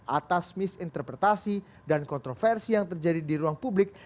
atas misinterpretasi dan kontroversi yang terjadi di ruang publik